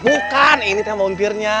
bukan ini yang punya montirnya